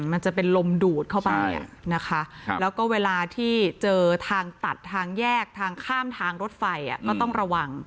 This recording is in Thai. มันจะเป็นลมดูดเข้าไปนะคะแล้วก็เวลาที่เจอทางตัดทางแยกทางข้ามทางรถไฟก็ต้องระวัง